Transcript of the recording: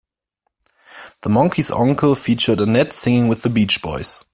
"The Monkey's Uncle" featured Annette singing with the Beach Boys.